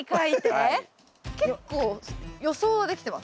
結構予想はできてます。